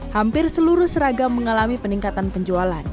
hampir seluruh seragam mengalami peningkatan penjualan